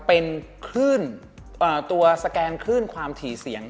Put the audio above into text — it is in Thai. เป็นคลื่นตัวสแกนคลื่นความถี่เสียง